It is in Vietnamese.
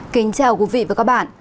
kính chào quý vị và các bạn